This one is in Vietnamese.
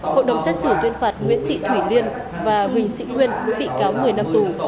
hội đồng xét xử tuyên phạt nguyễn thị thủy liên và huỳnh sĩ nguyên mỗi bị cáo một mươi năm tù